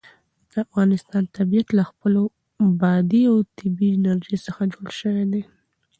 د افغانستان طبیعت له خپلې بادي او طبیعي انرژي څخه جوړ شوی دی.